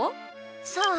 そう。